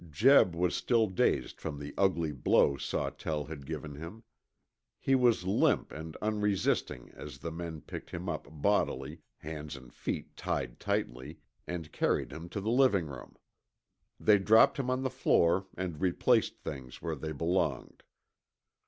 Jeb was still dazed from the ugly blow Sawtell had given him. He was limp and unresisting as the men picked him up bodily, hands and feet tied tightly, and carried him to the living room. They dropped him on the floor and replaced things where they belonged.